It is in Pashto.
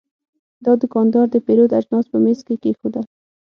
دا دوکاندار د پیرود اجناس په میز کې کېښودل.